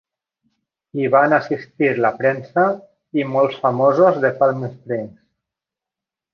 Hi van assistir la premsa i molts famosos de Palm Springs.